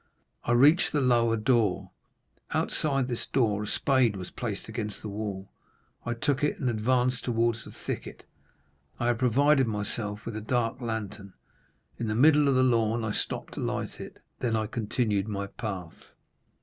I reached the lower door. Outside this door a spade was placed against the wall; I took it, and advanced towards the thicket. I had provided myself with a dark lantern. In the middle of the lawn I stopped to light it, then I continued my path.